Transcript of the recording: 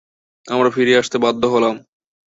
আমরা ফিরে আসতে বাধ্য হলাম।